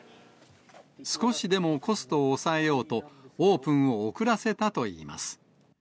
少しでもコストを抑えようと、オープンを遅らせたといいます。